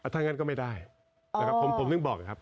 ถ้างั้นก็ไม่ได้ผมต้องบอกนะครับ